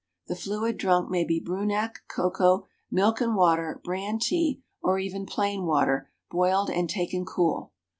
The fluid drunk may be Brunak, cocoa, milk and water, bran tea, or even plain water, boiled and taken cool.